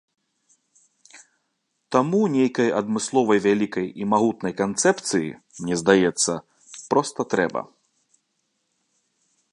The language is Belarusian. Таму нейкай адмысловай вялікай і магутнай канцэпцыі, мне здаецца, проста трэба.